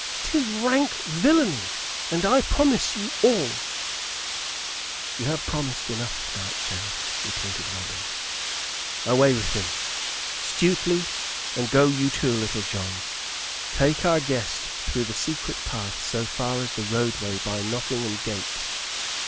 'Tis rank villainy, and I promise you all " "You have promised enough to night, Sheriff," retorted Robin: "away with him, Stuteley, and go you, too, Little John. Take our guest through the secret path so far as the roadway by Nottingham gate.